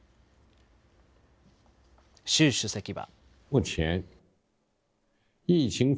習主席は。